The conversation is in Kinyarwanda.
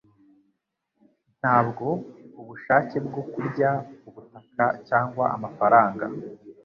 Ntabwo ubushake bwo kurya ku butaka cyangwa amafaranga